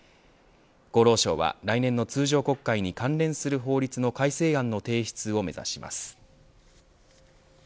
厚労省は来年の通常国会に関連する法律の改正案の提出を目指します。